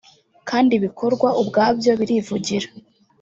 kandi ibikorwa ubwabyo birivugira